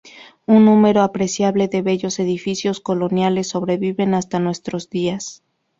Un número apreciable de bellos edificios coloniales sobreviven hasta nuestros días.